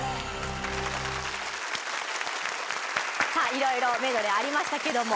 いろいろメドレーありましたけども。